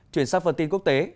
chuyển sang phần tin quốc tế